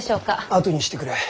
あとにしてくれ。